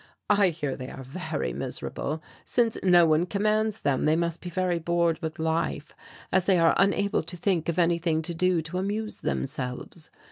I hear they are very miserable; since no one commands them they must be very bored with life, as they are unable to think of anything to do to amuse themselves.